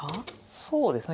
そうですね。